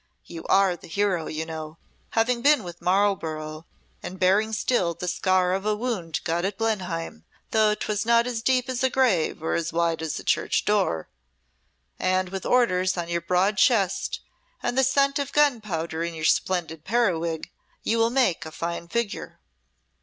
You are the hero, you know, having been with Marlborough, and bearing still the scar of a wound got at Blenheim, though 'twas 'not as deep as a grave or as wide as a church door.' And with orders on your broad chest and the scent of gunpowder in your splendid periwig you will make a fine figure.